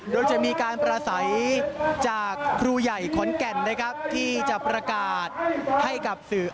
โดยจะมีการประสัยจากครูใหญ่ขอนแก่นนะครับที่จะประกาศให้กับสื่อ